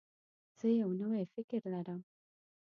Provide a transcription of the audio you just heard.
زه یو نوی فکر لرم.